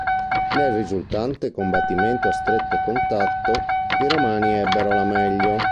Nel risultante combattimento a stretto contatto, i Romani ebbero la meglio.